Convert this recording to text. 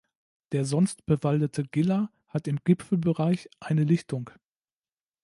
Der sonst bewaldete Giller hat im Gipfelbereich eine Lichtung.